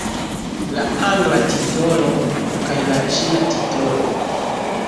La angla titolo kaj la ĉina titolo.